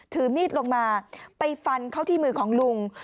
ถือมีดลงมาไปฟันเข้าที่มือของลุง